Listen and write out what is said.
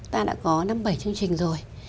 ta đã có năm bảy chương trình rồi